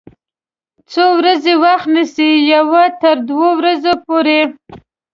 څو ورځې وخت نیسي؟ یوه تر دوه ورځو پوری